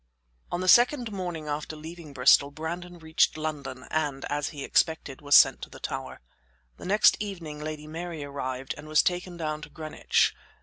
On the second morning after leaving Bristol, Brandon reached London, and, as he expected, was sent to the Tower. The next evening Lady Mary arrived and was taken down to Greenwich.